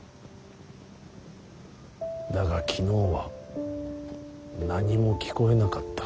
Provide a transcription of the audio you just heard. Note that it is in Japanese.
だが昨日は何も聞こえなかった。